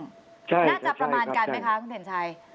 น่าจะประมาณกันไหมคะคุณเพ่นชัย